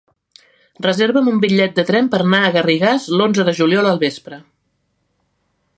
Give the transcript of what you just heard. Reserva'm un bitllet de tren per anar a Garrigàs l'onze de juliol al vespre.